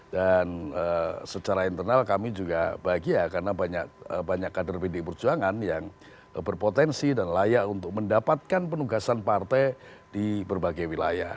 dan secara internal kami juga bahagia karena banyak kader pdi perjuangan yang berpotensi dan layak untuk mendapatkan penugasan partai di berbagai wilayah